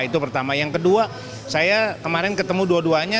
itu pertama yang kedua saya kemarin ketemu dua duanya